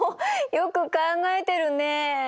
よく考えてるね。